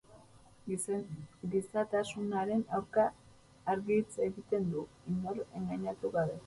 Gizatasunaren aurka argi hitz egiten du, inor engainatu gabe.